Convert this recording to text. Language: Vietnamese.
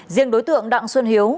riêng đối tượng đặng xuân hiếu